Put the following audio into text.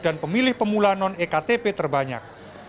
dan pemilih pemula non ektp terbanyak